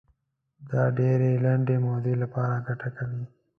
دا د ډېرې لنډې مودې لپاره ګټه کوي.